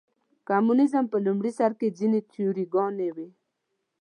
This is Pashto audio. کمونیزم په لومړي سر کې ځینې تیوري ګانې وې.